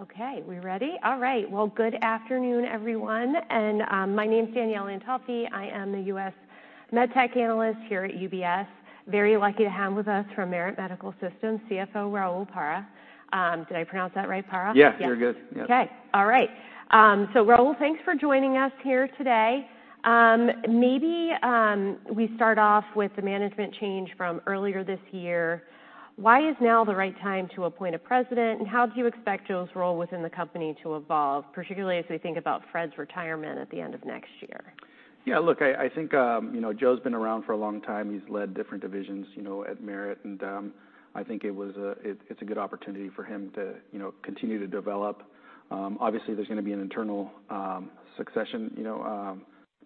Okay, we ready? All right, well, good afternoon everyone, and my name's Danielle Antalffy. I am the U.S. MedTech analyst here at UBS. Very lucky to have with us from Merit Medical Systems CFO Raul Parra. Did I pronounce that right, Parra? Yes, you're good. Okay, all right. So Raul, thanks for joining us here today. Maybe we start off with the management change from earlier this year. Why is now the right time to appoint a president, and how do you expect Joe's role within the company to evolve, particularly as we think about Fred's retirement at the end of next year? Yeah, look, I think Joe's been around for a long time. He's led different divisions at Merit, and I think it's a good opportunity for him to continue to develop. Obviously, there's going to be an internal succession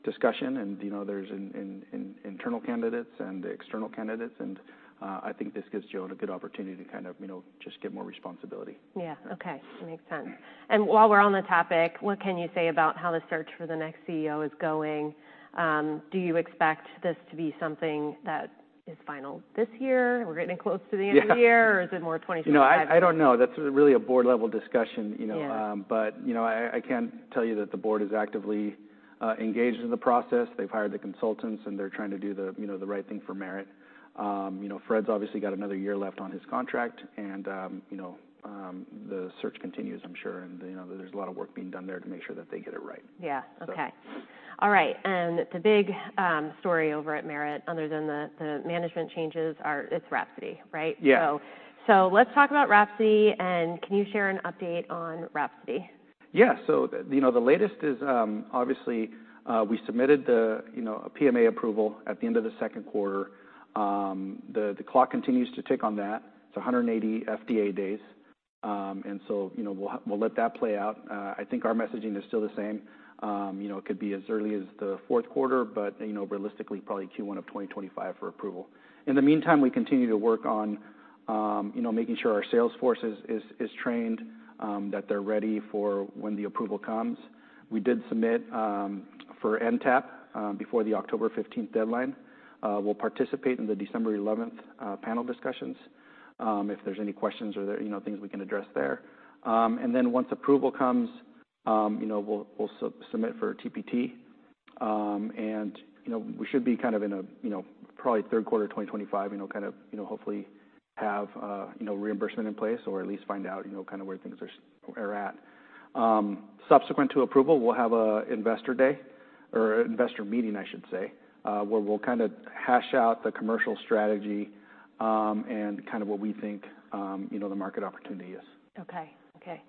discussion, and there's internal candidates and external candidates, and I think this gives Joe a good opportunity to kind of just get more responsibility. Yeah, okay, makes sense. And while we're on the topic, what can you say about how the search for the next CEO is going? Do you expect this to be something that is final this year? We're getting close to the end of the year, or is it more 2025? No, I don't know. That's really a board-level discussion, but I can tell you that the board is actively engaged in the process. They've hired the consultants, and they're trying to do the right thing for Merit. Fred's obviously got another year left on his contract, and the search continues, I'm sure, and there's a lot of work being done there to make sure that they get it right. Yeah, okay. All right, and the big story over at Merit, other than the management changes, it's WRAPSODY, right? Yeah. Let's talk about WRAPSODY, and can you share an update on WRAPSODY? Yeah, so the latest is obviously we submitted a PMA approval at the end of the second quarter. The clock continues to tick on that. It's 180 FDA days, and so we'll let that play out. I think our messaging is still the same. It could be as early as the fourth quarter, but realistically probably Q1 of 2025 for approval. In the meantime, we continue to work on making sure our sales force is trained, that they're ready for when the approval comes. We did submit for NTAP before the October 15th deadline. We'll participate in the December 11th panel discussions if there's any questions or things we can address there. And then once approval comes, we'll submit for TPT, and we should be kind of in probably third quarter 2025, kind of hopefully have reimbursement in place or at least find out kind of where things are at. Subsequent to approval, we'll have an investor day or investor meeting, I should say, where we'll kind of hash out the commercial strategy and kind of what we think the market opportunity is. Okay, okay.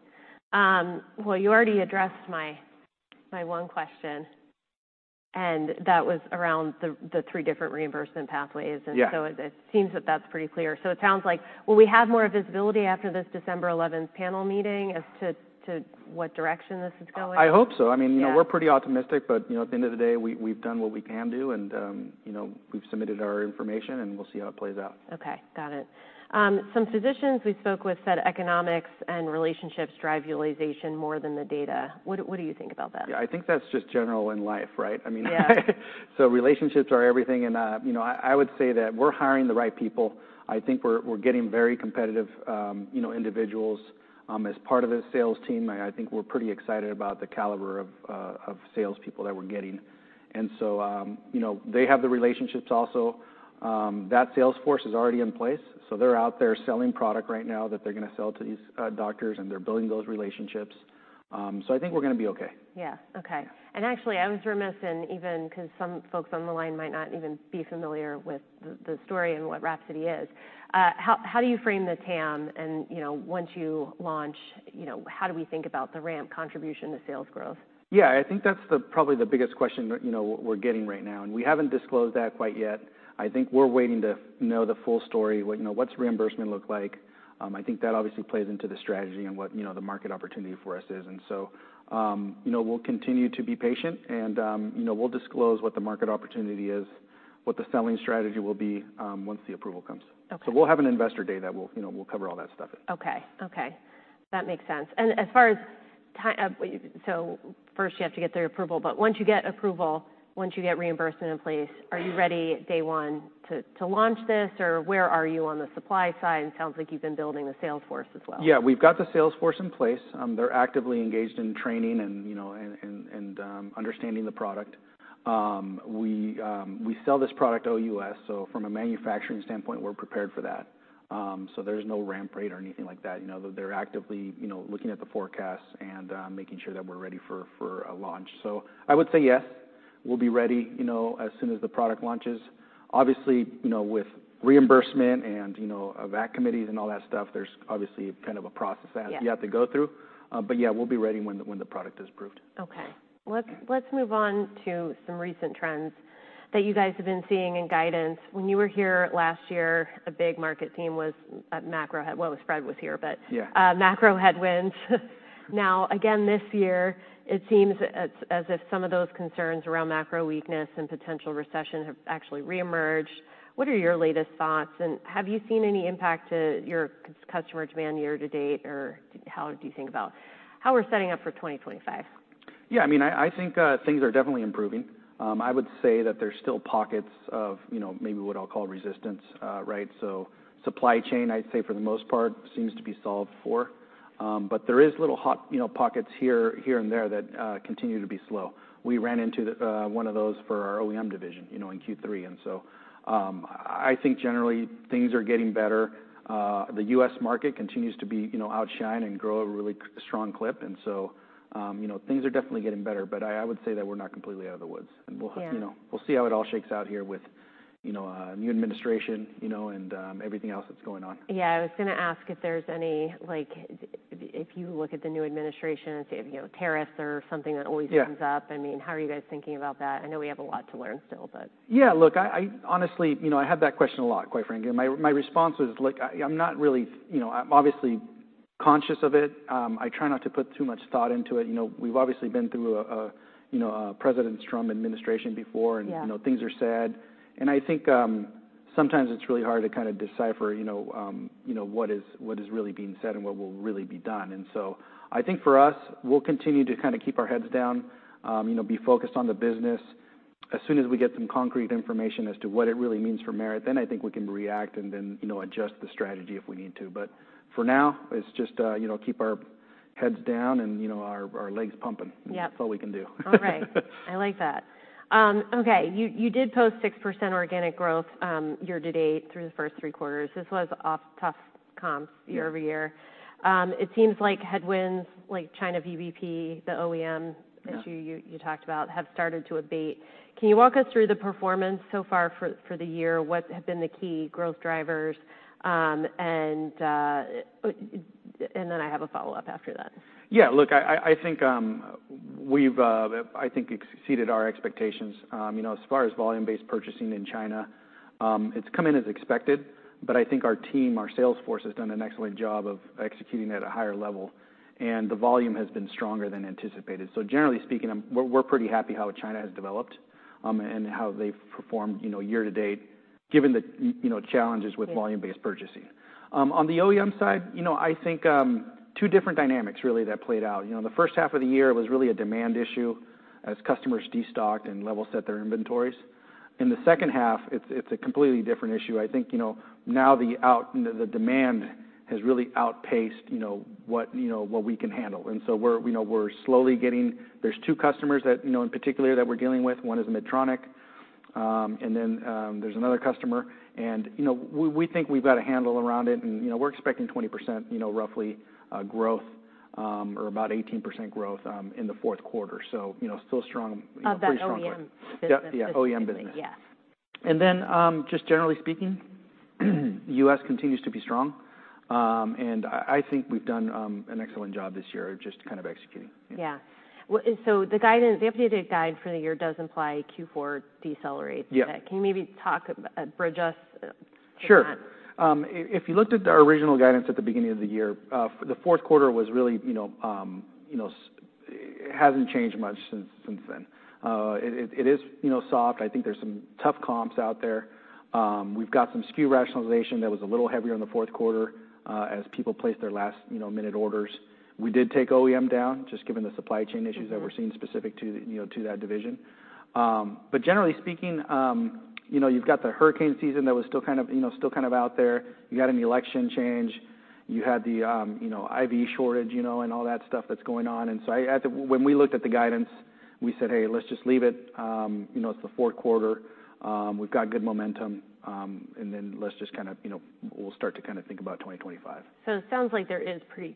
Well, you already addressed my one question, and that was around the three different reimbursement pathways, and so it seems that that's pretty clear. So it sounds like, will we have more visibility after this December 11th panel meeting as to what direction this is going? I hope so. I mean, we're pretty optimistic, but at the end of the day, we've done what we can do, and we've submitted our information, and we'll see how it plays out. Okay, got it. Some physicians we spoke with said economics and relationships drive utilization more than the data. What do you think about that? Yeah, I think that's just general in life, right? I mean, so relationships are everything, and I would say that we're hiring the right people. I think we're getting very competitive individuals as part of the sales team. I think we're pretty excited about the caliber of salespeople that we're getting, and so they have the relationships also. That sales force is already in place, so they're out there selling product right now that they're going to sell to these doctors, and they're building those relationships. So I think we're going to be okay. Yeah, okay. And actually, I was remiss in even because some folks on the line might not even be familiar with the story and what WRAPSODY is. How do you frame the TAM, and once you launch, how do we think about the ramp contribution to sales growth? Yeah, I think that's probably the biggest question we're getting right now, and we haven't disclosed that quite yet. I think we're waiting to know the full story, what's reimbursement look like. I think that obviously plays into the strategy and what the market opportunity for us is, and so we'll continue to be patient, and we'll disclose what the market opportunity is, what the selling strategy will be once the approval comes. So we'll have an investor day that we'll cover all that stuff. Okay, okay. That makes sense. And as far as time, so first you have to get their approval, but once you get approval, once you get reimbursement in place, are you ready day one to launch this, or where are you on the supply side? It sounds like you've been building the sales force as well. Yeah, we've got the sales force in place. They're actively engaged in training and understanding the product. We sell this product OUS, so from a manufacturing standpoint, we're prepared for that. So there's no ramp rate or anything like that. They're actively looking at the forecasts and making sure that we're ready for a launch. So I would say yes, we'll be ready as soon as the product launches. Obviously, with reimbursement and VAC committees and all that stuff, there's obviously kind of a process that you have to go through, but yeah, we'll be ready when the product is approved. Okay. Let's move on to some recent trends that you guys have been seeing in guidance. When you were here last year, a big market theme was macro, well, Fred was here, but macro headwinds. Now, again this year, it seems as if some of those concerns around macro weakness and potential recession have actually re-emerged. What are your latest thoughts, and have you seen any impact to your customer demand year to date, or how do you think about how we're setting up for 2025? Yeah, I mean, I think things are definitely improving. I would say that there's still pockets of maybe what I'll call resistance, right? So supply chain, I'd say for the most part, seems to be solved for, but there are little hot pockets here and there that continue to be slow. We ran into one of those for our OEM division in Q3, and so I think generally things are getting better. The U.S. market continues to outshine and grow a really strong clip, and so things are definitely getting better, but I would say that we're not completely out of the woods, and we'll see how it all shakes out here with a new administration and everything else that's going on. Yeah, I was going to ask, if you look at the new administration and say tariffs are something that always comes up, I mean, how are you guys thinking about that? I know we have a lot to learn still, but. Yeah, look, honestly, I had that question a lot, quite frankly. My response is, look, I'm not really obviously conscious of it. I try not to put too much thought into it. We've obviously been through a President Trump administration before, and things are sad, and I think sometimes it's really hard to kind of decipher what is really being said and what will really be done. And so I think for us, we'll continue to kind of keep our heads down, be focused on the business. As soon as we get some concrete information as to what it really means for Merit, then I think we can react and then adjust the strategy if we need to, but for now, it's just keep our heads down and our legs pumping. That's all we can do. All right. I like that. Okay, you did post 6% organic growth year to date through the first three quarters. This was off tough comps year over year. It seems like headwinds like China VBP, the OEM issue you talked about, have started to abate. Can you walk us through the performance so far for the year? What have been the key growth drivers? And then I have a follow-up after that. Yeah, look, I think we've exceeded our expectations. As far as volume-based purchasing in China, it's come in as expected, but I think our team, our sales force has done an excellent job of executing at a higher level, and the volume has been stronger than anticipated. So generally speaking, we're pretty happy how China has developed and how they've performed year to date, given the challenges with volume-based purchasing. On the OEM side, I think two different dynamics really that played out. The first half of the year was really a demand issue as customers destocked and level set their inventories. In the second half, it's a completely different issue. I think now the demand has really outpaced what we can handle, and so we're slowly getting, there's two customers in particular that we're dealing with. One is Medtronic, and then there's another customer, and we think we've got a handle around it, and we're expecting 20% roughly growth or about 18% growth in the fourth quarter. So still strong, pretty strong growth. Of that OEM business? Yeah, OEM business. And then, just generally speaking, U.S. continues to be strong, and I think we've done an excellent job this year of just kind of executing. Yeah, so the updated guide for the year does imply Q4 decelerates. Can you maybe talk bridge us to that? Sure. If you looked at our original guidance at the beginning of the year, the fourth quarter was really. It hasn't changed much since then. It is soft. I think there's some tough comps out there. We've got some SKU rationalization that was a little heavier in the fourth quarter as people placed their last-minute orders. We did take OEM down just given the supply chain issues that we're seeing specific to that division. But generally speaking, you've got the hurricane season that was still kind of out there. You had an election change. You had the IV shortage and all that stuff that's going on. And so when we looked at the guidance, we said, "Hey, let's just leave it. It's the fourth quarter. We've got good momentum, and then let's just kind of. We'll start to kind of think about 2025. So it sounds like there is pretty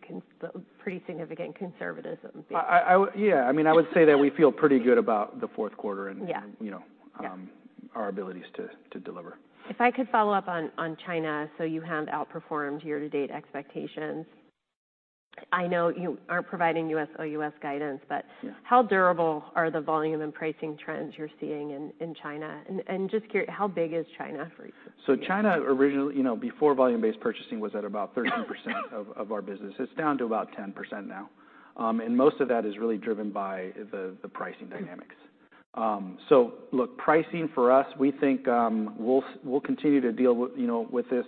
significant conservatism. Yeah, I mean, I would say that we feel pretty good about the fourth quarter and our abilities to deliver. If I could follow up on China, so you have outperformed year-to-date expectations. I know you aren't providing U.S./OUS guidance, but how durable are the volume and pricing trends you're seeing in China? And just how big is China for you? So China originally, before volume-based purchasing, was at about 13% of our business. It's down to about 10% now, and most of that is really driven by the pricing dynamics. So look, pricing for us, we think we'll continue to deal with this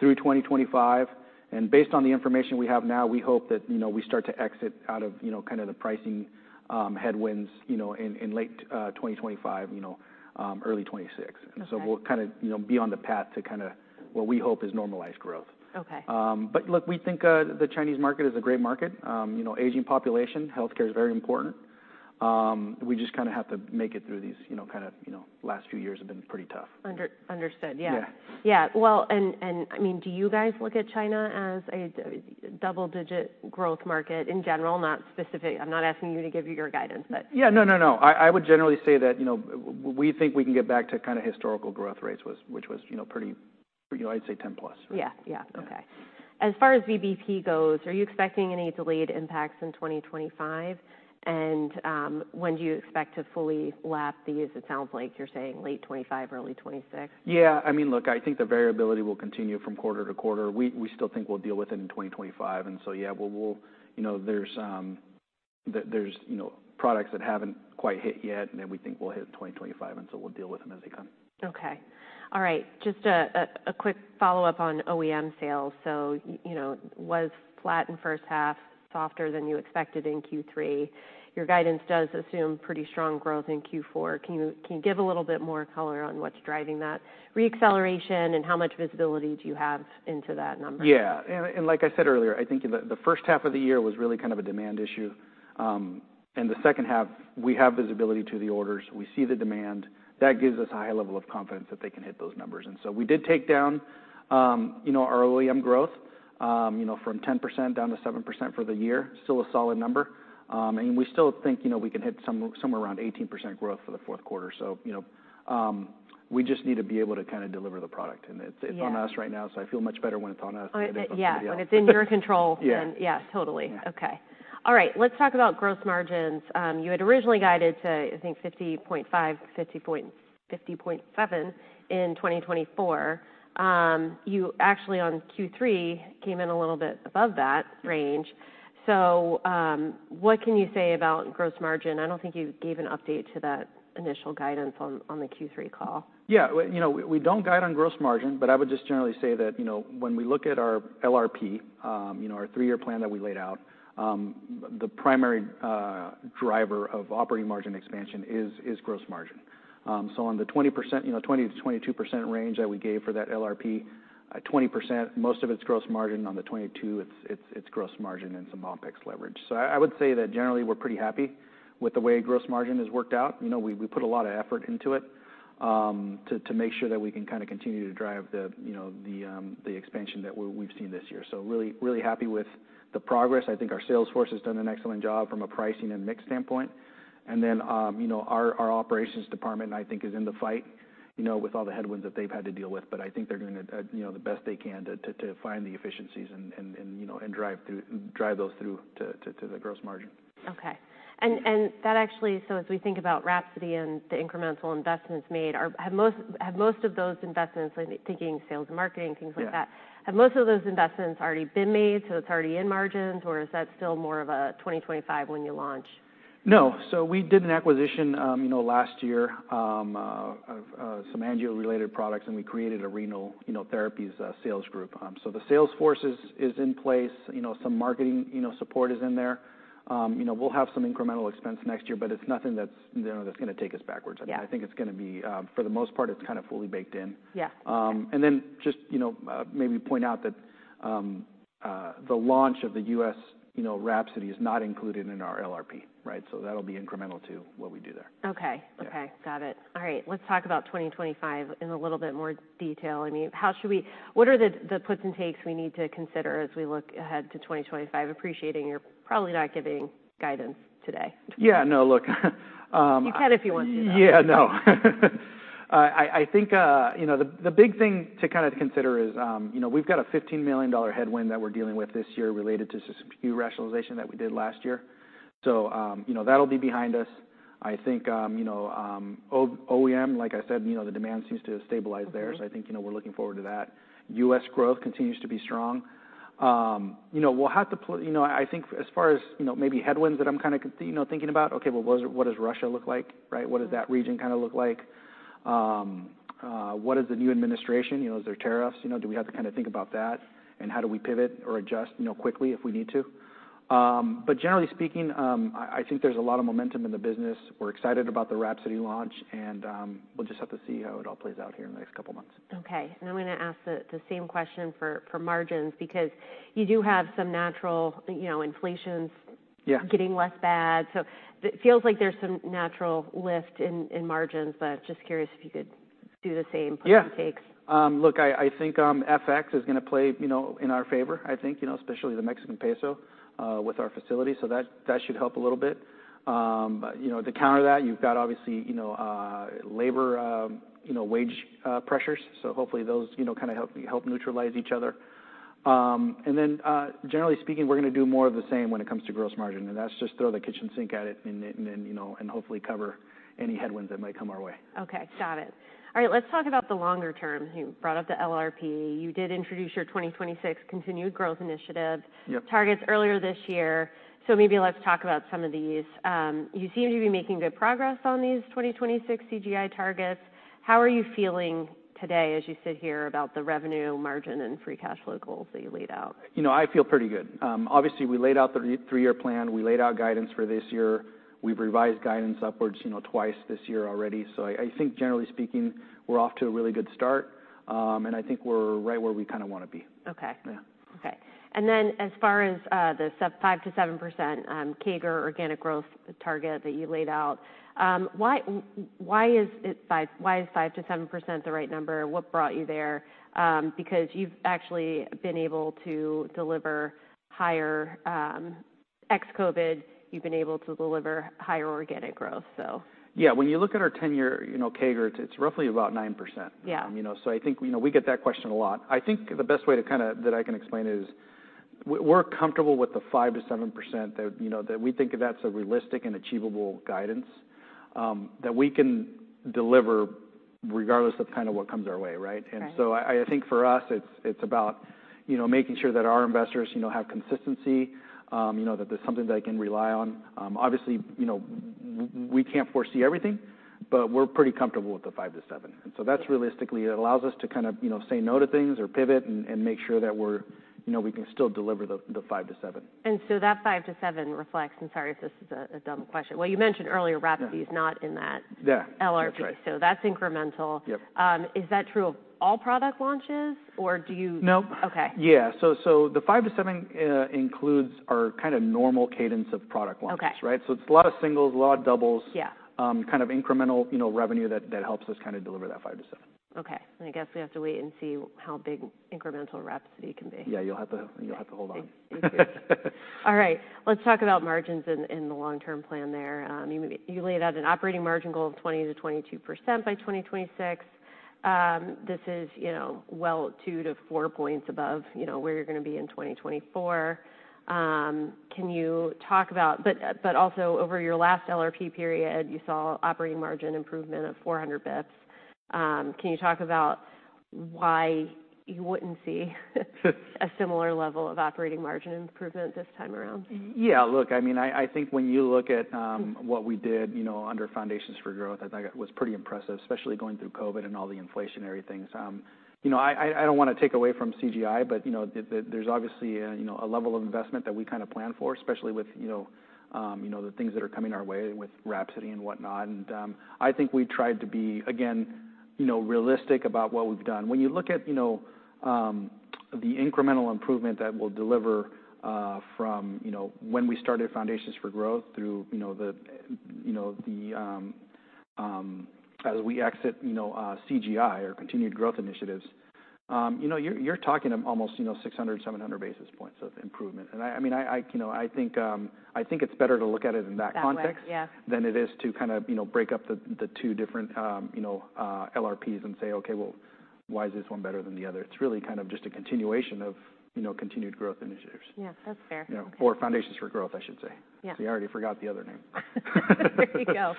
through 2025, and based on the information we have now, we hope that we start to exit out of kind of the pricing headwinds in late 2025, early 2026. And so we'll kind of be on the path to kind of what we hope is normalized growth. But look, we think the Chinese market is a great market. Aging population, healthcare is very important. We just kind of have to make it through these kind of last few years have been pretty tough. Understood. Yeah. Yeah. Well, and I mean, do you guys look at China as a double-digit growth market in general? I'm not asking you to give your guidance, but. Yeah, no, no, no. I would generally say that we think we can get back to kind of historical growth rates, which was pretty, I'd say, 10+. Yeah, yeah. Okay. As far as VBP goes, are you expecting any delayed impacts in 2025? And when do you expect to fully lap these? It sounds like you're saying late 2025, early 2026. Yeah. I mean, look, I think the variability will continue from quarter to quarter. We still think we'll deal with it in 2025, and so yeah, there's products that haven't quite hit yet, and then we think we'll hit in 2025, and so we'll deal with them as they come. Okay. All right. Just a quick follow-up on OEM sales. So was flat in the first half, softer than you expected in Q3. Your guidance does assume pretty strong growth in Q4. Can you give a little bit more color on what's driving that re-acceleration, and how much visibility do you have into that number? Yeah. And like I said earlier, I think the first half of the year was really kind of a demand issue, and the second half, we have visibility to the orders. We see the demand. That gives us a high level of confidence that they can hit those numbers. And so we did take down our OEM growth from 10% down to 7% for the year, still a solid number, and we still think we can hit somewhere around 18% growth for the fourth quarter. So we just need to be able to kind of deliver the product, and it's on us right now, so I feel much better when it's on us than it is when it's on you. Yeah, when it's in your control. Yeah, totally. Okay. All right. Let's talk about gross margins. You had originally guided to, I think, 50.5%-50.7% in 2024. You actually, on Q3, came in a little bit above that range. So what can you say about gross margin? I don't think you gave an update to that initial guidance on the Q3 call. Yeah. We don't guide on gross margin, but I would just generally say that when we look at our LRP, our three-year plan that we laid out, the primary driver of operating margin expansion is gross margin. So on the 20%-22% range that we gave for that LRP, 20%, most of it's gross margin. On the 22%, it's gross margin and some bump OpEx leverage. So I would say that generally we're pretty happy with the way gross margin has worked out. We put a lot of effort into it to make sure that we can kind of continue to drive the expansion that we've seen this year. So really happy with the progress. I think our sales force has done an excellent job from a pricing and mix standpoint. And then our operations department, I think, is in the fight with all the headwinds that they've had to deal with, but I think they're doing the best they can to find the efficiencies and drive those through to the gross margin. Okay. And that actually, so as we think about WRAPSODY and the incremental investments made, have most of those investments, thinking sales and marketing, things like that, already been made? So it's already in margins, or is that still more of a 2025 when you launch? No. So we did an acquisition last year of some angio-related products, and we created a renal therapies sales group. So the sales force is in place. Some marketing support is in there. We'll have some incremental expense next year, but it's nothing that's going to take us backwards. I think it's going to be, for the most part, it's kind of fully baked in. And then just maybe point out that the launch of the U.S. WRAPSODY is not included in our LRP, right? So that'll be incremental to what we do there. Okay. Okay. Got it. All right. Let's talk about 2025 in a little bit more detail. I mean, what are the puts and takes we need to consider as we look ahead to 2025? Appreciating you're probably not giving guidance today. Yeah. No, look. You can if you want to. Yeah. No. I think the big thing to kind of consider is we've got a $15 million headwind that we're dealing with this year related to some SKU rationalization that we did last year. So that'll be behind us. I think OEM, like I said, the demand seems to have stabilized there, so I think we're looking forward to that. U.S. growth continues to be strong. We'll have to, I think, as far as maybe headwinds that I'm kind of thinking about, okay, well, what does Russia look like, right? What does that region kind of look like? What is the new administration? Is there tariffs? Do we have to kind of think about that, and how do we pivot or adjust quickly if we need to? But generally speaking, I think there's a lot of momentum in the business. We're excited about the WRAPSODY launch, and we'll just have to see how it all plays out here in the next couple of months. Okay. And I'm going to ask the same question for margins because you do have some natural inflations getting less bad. So it feels like there's some natural lift in margins, but just curious if you could do the same puts and takes? Yeah. Look, I think FX is going to play in our favor, I think, especially the Mexican peso with our facility. So that should help a little bit. To counter that, you've got obviously labor wage pressures. So hopefully those kind of help neutralize each other. And then generally speaking, we're going to do more of the same when it comes to gross margin, and that's just throw the kitchen sink at it and hopefully cover any headwinds that might come our way. Okay. Got it. All right. Let's talk about the longer term. You brought up the LRP. You did introduce your 2026 Continued Growth Initiative targets earlier this year. So maybe let's talk about some of these. You seem to be making good progress on these 2026 CGI targets. How are you feeling today as you sit here about the revenue, margin, and free cash flow goals that you laid out? I feel pretty good. Obviously, we laid out the three-year plan. We laid out guidance for this year. We've revised guidance upwards twice this year already. So I think generally speaking, we're off to a really good start, and I think we're right where we kind of want to be. Okay. Okay. And then as far as the 5%-7% CAGR organic growth target that you laid out, why is 5%-7% the right number? What brought you there? Because you've actually been able to deliver higher ex-COVID. You've been able to deliver higher organic growth, so. Yeah. When you look at our 10-year CAGR, it's roughly about 9%. So I think we get that question a lot. I think the best way that I can kind of explain is we're comfortable with the 5%-7% that we think of that as a realistic and achievable guidance that we can deliver regardless of kind of what comes our way, right? And so I think for us, it's about making sure that our investors have consistency, that there's something that they can rely on. Obviously, we can't foresee everything, but we're pretty comfortable with the 5%-7%. And so that's realistically, it allows us to kind of say no to things or pivot and make sure that we can still deliver the 5%-7%. That 5%-7% reflects, and sorry if this is a dumb question. Well, you mentioned earlier WRAPSODY is not in that LRP, so that's incremental. Is that true of all product launches, or do you? No. Yeah. So the 5%-7% includes our kind of normal cadence of product launches, right? So it's a lot of singles, a lot of doubles, kind of incremental revenue that helps us kind of deliver that 5%-7%. Okay. I guess we have to wait and see how big incremental WRAPSODY can be. Yeah. You'll have to hold on. All right. Let's talk about margins in the long-term plan there. You laid out an operating margin goal of 20%-22% by 2026. This is well two to four points above where you're going to be in 2024. Can you talk about, but also over your last LRP period, you saw operating margin improvement of 400 basis points. Can you talk about why you wouldn't see a similar level of operating margin improvement this time around? Yeah. Look, I mean, I think when you look at what we did under Foundations for Growth, I think it was pretty impressive, especially going through COVID and all the inflationary things. I don't want to take away from CGI, but there's obviously a level of investment that we kind of plan for, especially with the things that are coming our way with WRAPSODY and whatnot. And I think we tried to be, again, realistic about what we've done. When you look at the incremental improvement that we'll deliver from when we started Foundations for Growth through to as we exit CGI or Continued Growth Initiatives, you're talking almost 600-700 basis points of improvement. I mean, I think it's better to look at it in that context than it is to kind of break up the two different LRPs and say, "Okay, well, why is this one better than the other?" It's really kind of just a continuation of Continued Growth Initiatives. Yeah. That's fair. Or Foundations for Growth, I should say. So you already forgot the other name. There you go.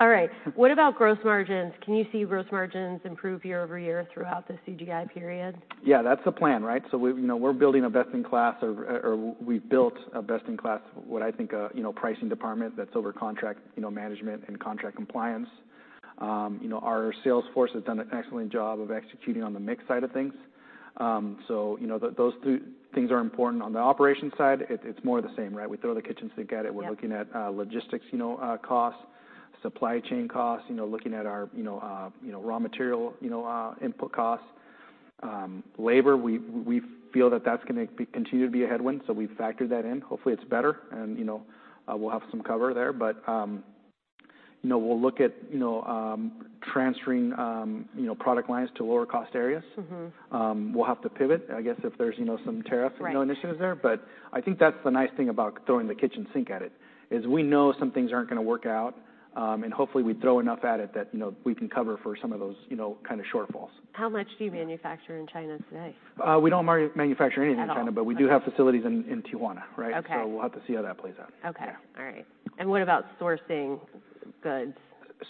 All right. What about gross margins? Can you see gross margins improve year over year throughout the CGI period? Yeah. That's the plan, right? So we're building a best-in-class, or we've built a best-in-class, what I think a pricing department that's over contract management and contract compliance. Our sales force has done an excellent job of executing on the mix side of things. So those two things are important. On the operations side, it's more of the same, right? We throw the kitchen sink at it. We're looking at logistics costs, supply chain costs, looking at our raw material input costs. Labor, we feel that that's going to continue to be a headwind, so we've factored that in. Hopefully, it's better, and we'll have some cover there. But we'll look at transferring product lines to lower-cost areas. We'll have to pivot, I guess, if there's some tariff initiatives there. But I think that's the nice thing about throwing the kitchen sink at it, is we know some things aren't going to work out, and hopefully we throw enough at it that we can cover for some of those kind of shortfalls. How much do you manufacture in China today? We don't manufacture anything in China, but we do have facilities in Tijuana, right? So we'll have to see how that plays out. Okay. All right. And what about sourcing goods?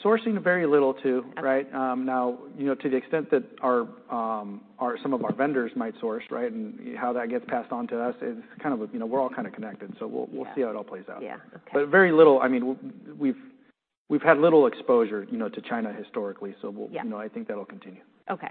Sourcing very little too, right? Now, to the extent that some of our vendors might source, right, and how that gets passed on to us, it's kind of we're all kind of connected, so we'll see how it all plays out. But very little, I mean, we've had little exposure to China historically, so I think that'll continue. Okay.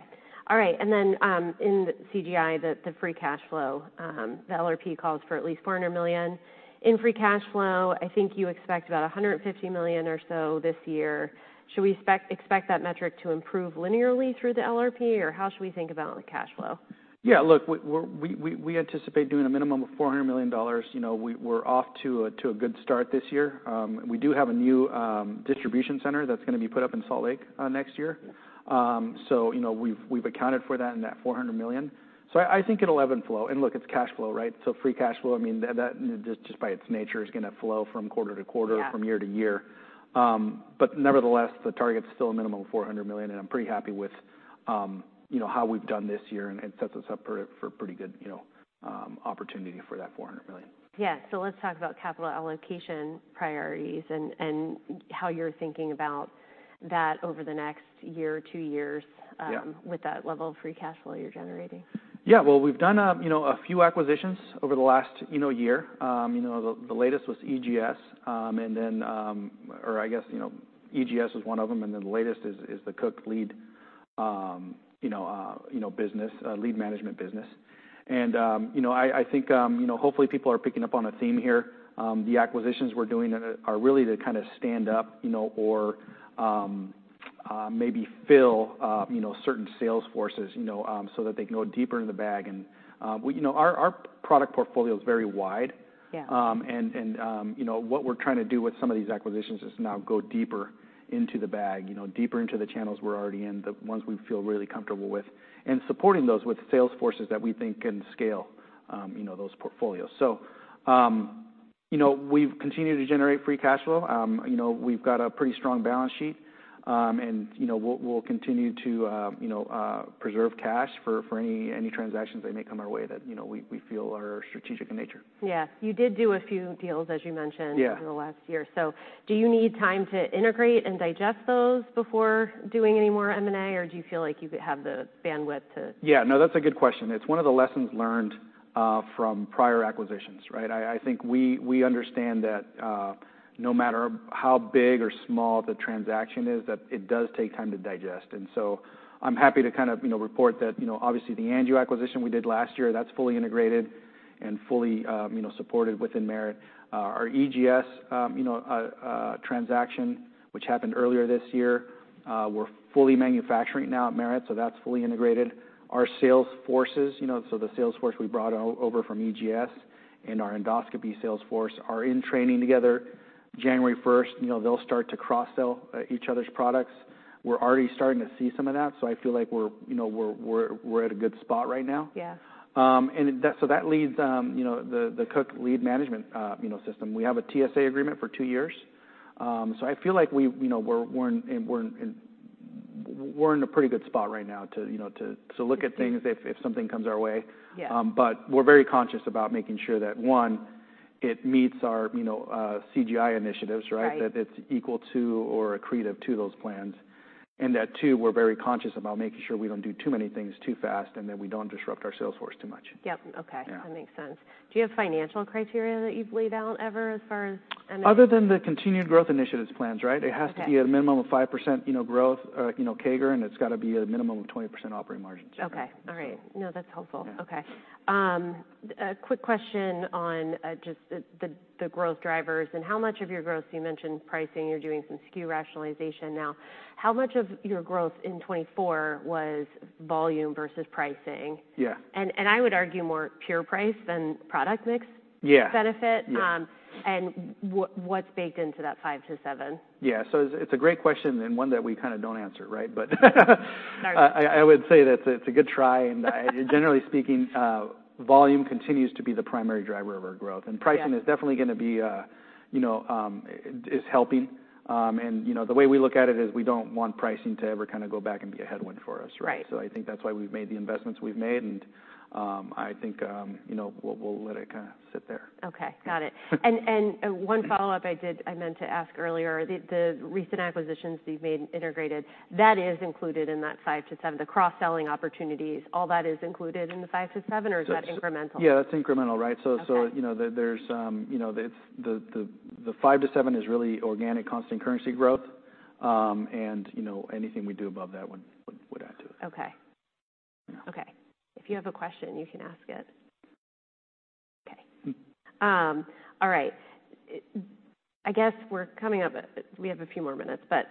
All right. And then in CGI, the free cash flow, the LRP calls for at least $400 million in free cash flow. I think you expect about $150 million or so this year. Should we expect that metric to improve linearly through the LRP, or how should we think about cash flow? Yeah. Look, we anticipate doing a minimum of $400 million. We're off to a good start this year. We do have a new distribution center that's going to be put up in Salt Lake next year. So we've accounted for that in that $400 million. So I think it'll ebb and flow. And look, it's cash flow, right? So free cash flow, I mean, just by its nature, is going to flow from quarter to quarter, from year to year. But nevertheless, the target's still a minimum of $400 million, and I'm pretty happy with how we've done this year, and it sets us up for a pretty good opportunity for that $400 million. Yeah. So let's talk about capital allocation priorities and how you're thinking about that over the next year or two years with that level of free cash flow you're generating. Yeah. Well, we've done a few acquisitions over the last year. The latest was EGS, and then, or I guess EGS was one of them, and then the latest is the Cook lead business, lead management business. And I think hopefully people are picking up on a theme here. The acquisitions we're doing are really to kind of stand up or maybe fill certain sales forces so that they can go deeper in the bag. And our product portfolio is very wide, and what we're trying to do with some of these acquisitions is now go deeper into the bag, deeper into the channels we're already in, the ones we feel really comfortable with, and supporting those with sales forces that we think can scale those portfolios. So we've continued to generate free cash flow. We've got a pretty strong balance sheet, and we'll continue to preserve cash for any transactions that may come our way that we feel are strategic in nature. Yeah. You did do a few deals, as you mentioned, over the last year. So do you need time to integrate and digest those before doing any more M&A, or do you feel like you have the bandwidth to? Yeah. No, that's a good question. It's one of the lessons learned from prior acquisitions, right? I think we understand that no matter how big or small the transaction is, that it does take time to digest. And so I'm happy to kind of report that obviously the Angio acquisition we did last year, that's fully integrated and fully supported within Merit. Our EGS transaction, which happened earlier this year, we're fully manufacturing now at Merit, so that's fully integrated. Our sales forces, so the sales force we brought over from EGS and our endoscopy sales force are in training together. January 1st, they'll start to cross-sell each other's products. We're already starting to see some of that, so I feel like we're at a good spot right now. And so that leads the Cook lead management system. We have a TSA agreement for two years. So I feel like we're in a pretty good spot right now to look at things if something comes our way. But we're very conscious about making sure that, one, it meets our CGI initiatives, right, that it's equal to or accretive to those plans. And that, two, we're very conscious about making sure we don't do too many things too fast and that we don't disrupt our sales force too much. Yep. Okay. That makes sense. Do you have financial criteria that you've laid out ever as far as M&A? Other than the Continued Growth Initiatives plans, right? It has to be a minimum of 5% growth CAGR, and it's got to be a minimum of 20% operating margin. No, that's helpful. A quick question on just the growth drivers and how much of your growth, you mentioned pricing, you're doing some SKU rationalization now. How much of your growth in 2024 was volume versus pricing? I would argue more pure price than product mix benefit, and what's baked into that 5%-7%? Yeah. So it's a great question and one that we kind of don't answer, right? But I would say that it's a good try. And generally speaking, volume continues to be the primary driver of our growth. And pricing is definitely going to be helping. And the way we look at it is we don't want pricing to ever kind of go back and be a headwind for us, right? So I think that's why we've made the investments we've made, and I think we'll let it kind of sit there. Okay. Got it. And one follow-up I meant to ask earlier, the recent acquisitions that you've made integrated, that is included in that 5%-7%, the cross-selling opportunities, all that is included in the 5%-7%, or is that incremental? Yeah. That's incremental, right? So there's the 5%-7% is really organic constant currency growth, and anything we do above that would add to it. Okay. If you have a question, you can ask it. Okay. All right. I guess we're coming up. We have a few more minutes, but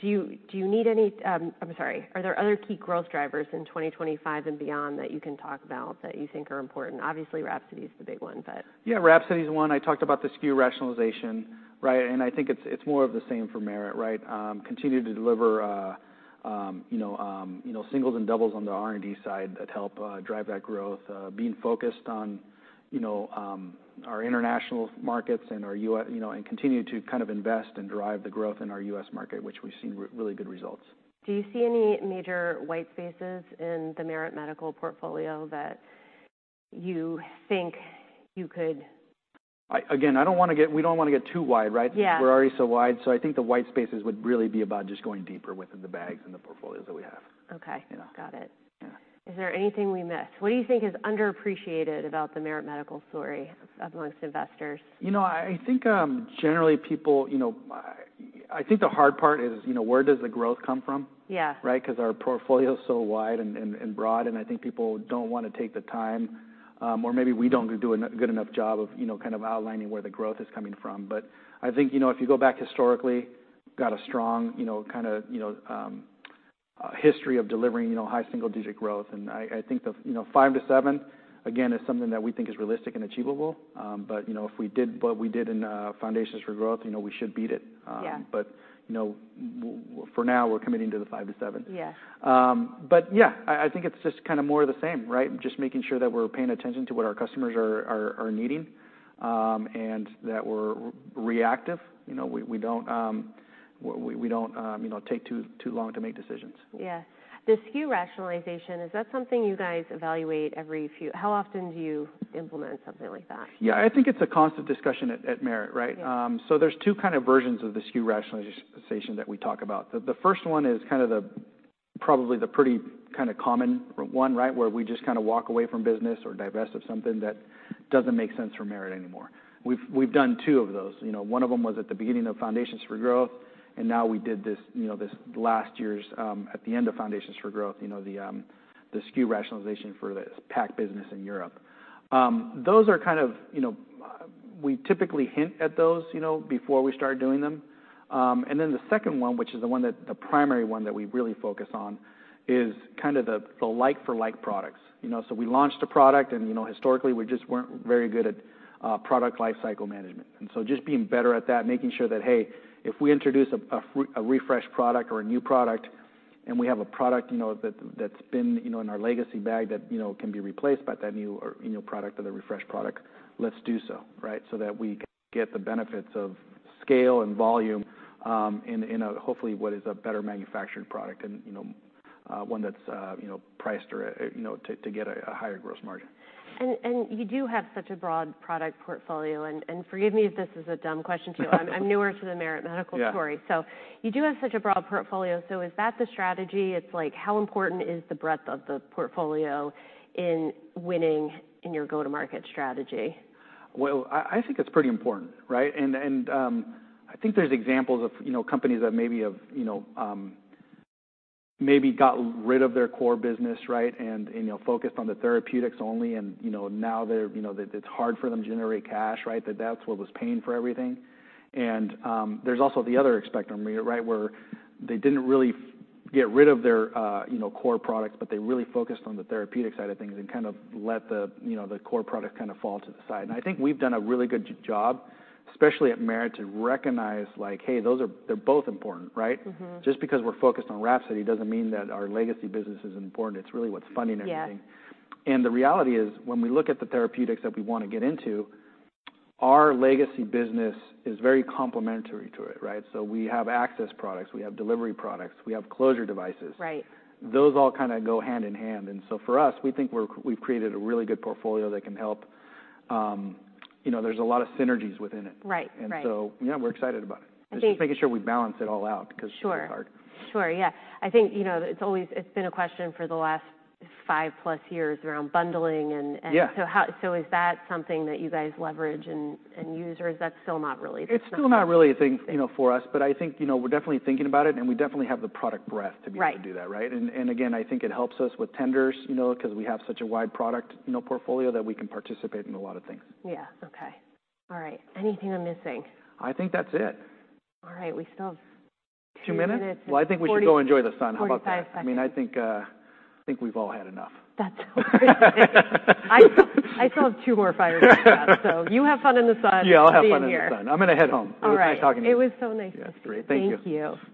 do you need any? I'm sorry. Are there other key growth drivers in 2025 and beyond that you can talk about that you think are important? Obviously, WRAPSODY is the big one, but. Yeah. WRAPSODY is one. I talked about the SKU rationalization, right? And I think it's more of the same for Merit, right? Continue to deliver singles and doubles on the R&D side that help drive that growth, being focused on our international markets and our U.S., and continue to kind of invest and drive the growth in our U.S. market, which we've seen really good results. Do you see any major white spaces in the Merit Medical portfolio that you think you could? Again, I don't want to get. We don't want to get too wide, right? We're already so wide. So I think the white spaces would really be about just going deeper within the bags and the portfolios that we have. Okay. Got it. Is there anything we missed? What do you think is underappreciated about the Merit Medical story amongst investors? I think generally people, I think the hard part is where does the growth come from, right? Because our portfolio is so wide and broad, and I think people don't want to take the time, or maybe we don't do a good enough job of kind of outlining where the growth is coming from. But I think if you go back historically, got a strong kind of history of delivering high single-digit growth. And I think the 5%-7%, again, is something that we think is realistic and achievable. But if we did what we did in Foundations for Growth, we should beat it. But for now, we're committing to the 5%-7%. But yeah, I think it's just kind of more of the same, right? Just making sure that we're paying attention to what our customers are needing and that we're reactive. We don't take too long to make decisions. Yeah. The SKU rationalization, is that something you guys evaluate every few? How often do you implement something like that? Yeah. I think it's a constant discussion at Merit, right? So there's two kind of versions of the SKU Rationalization that we talk about. The first one is kind of probably the pretty kind of common one, right, where we just kind of walk away from business or divest of something that doesn't make sense for Merit anymore. We've done two of those. One of them was at the beginning of Foundations for Growth, and now we did this last year's at the end of Foundations for Growth, the SKU Rationalization for this PAC business in Europe. Those are kind of. We typically hint at those before we start doing them. And then the second one, which is the primary one that we really focus on, is kind of the like-for-like products. So we launched a product, and historically, we just weren't very good at product lifecycle management. And so just being better at that, making sure that, hey, if we introduce a refresh product or a new product and we have a product that's been in our legacy bag that can be replaced by that new product or the refresh product, let's do so, right? So that we get the benefits of scale and volume in a hopefully what is a better manufactured product and one that's priced to get a higher gross margin. And you do have such a broad product portfolio, and forgive me if this is a dumb question to you. I'm newer to the Merit Medical story. So you do have such a broad portfolio. So is that the strategy? It's like, how important is the breadth of the portfolio in winning in your go-to-market strategy? I think it's pretty important, right? And I think there's examples of companies that maybe have gotten rid of their core business, right, and focused on the therapeutics only, and now it's hard for them to generate cash, right? That's what was paying for everything. There's also the other spectrum, right, where they didn't really get rid of their core products, but they really focused on the therapeutic side of things and kind of let the core product kind of fall to the side. I think we've done a really good job, especially at Merit, to recognize like, hey, they're both important, right? Just because we're focused on WRAPSODY doesn't mean that our legacy business is important. It's really what's funding everything. And the reality is when we look at the therapeutics that we want to get into, our legacy business is very complementary to it, right? So we have access products. We have delivery products. We have closure devices. Those all kind of go hand in hand. And so for us, we think we've created a really good portfolio that can help. There's a lot of synergies within it. And so yeah, we're excited about it. It's just making sure we balance it all out because it's really hard. Sure. Sure. Yeah. I think it's been a question for the last 5+ years around bundling. And so is that something that you guys leverage and use, or is that still not really the focus? It's still not really a thing for us, but I think we're definitely thinking about it, and we definitely have the product breadth to be able to do that, right? And again, I think it helps us with tenders because we have such a wide product portfolio that we can participate in a lot of things. Yeah. Okay. All right. Anything I'm missing? I think that's it. All right. We still have two minutes. Two minutes? Well, I think we should go enjoy the sun. How about that? 25 seconds. I mean, I think we've all had enough. That's all right. I still have two more five-minute chats. So you have fun in the sun. Yeah. I'll have fun in the sun. I'm going to head home. It was nice talking to you. All right. It was so nice to see you. Yes, great. Thank you. Thank you.